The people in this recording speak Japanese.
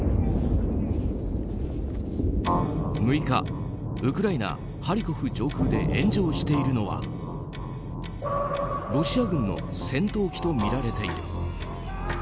６日ウクライナ・ハリコフ上空で炎上しているのはロシア軍の戦闘機とみられている。